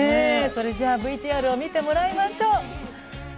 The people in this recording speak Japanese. それじゃあＶＴＲを見てもらいましょう。